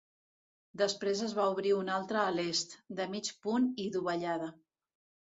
Després es va obrir una altra a l'est, de mig punt i dovellada.